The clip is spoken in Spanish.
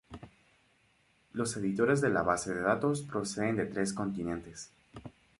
Los editores de la base de datos proceden de tres continentes.